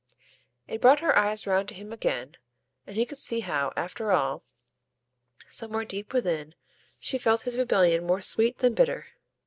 It brought her eyes round to him again, and he could see how, after all, somewhere deep within, she felt his rebellion more sweet than bitter.